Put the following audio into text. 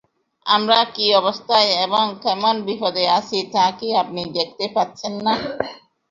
আমরা কী অবস্থায় এবং কেমন বিপদে আছি তা কি আপনি দেখতে পাচ্ছেন না?